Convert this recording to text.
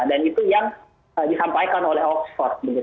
dan itu yang disampaikan oleh oxford